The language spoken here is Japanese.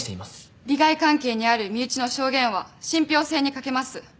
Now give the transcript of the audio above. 利害関係にある身内の証言は信ぴょう性に欠けます。